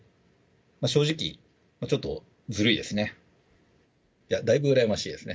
正直、まあちょっとずるいですね。